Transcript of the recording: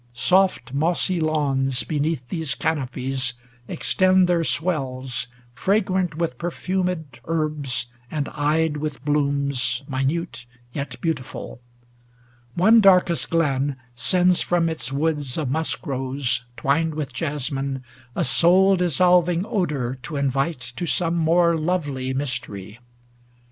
Soft mossy lawns Beneath these canopies extend their swells, Fragrant with perfumed herbs, and eyed with blooms 450 Minute yet beautiful. One darkest glen Sends from its woods of musk rose twin'^ with jasmine A soul dissolving odor to invite To some more lovely mystery.